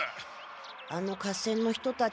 あの合戦の人たち。